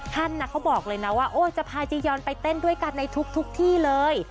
เขาบอกเลยนะว่าจะพาจียอนไปเต้นด้วยกันในทุกที่เลย